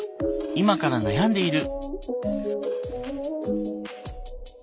今から悩んでいる。